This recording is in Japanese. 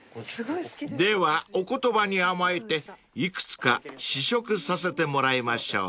［ではお言葉に甘えて幾つか試食させてもらいましょう］